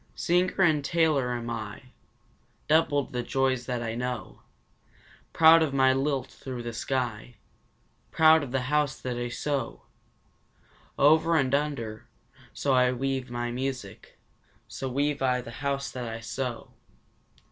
Singer and tailor am I Doubled the joys that I know Proud of my lilt through the sky, Proud of the house that I sew Over and under, so weave I my music so weave I the house that I sew.